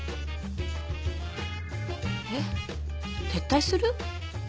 えっ？撤退する？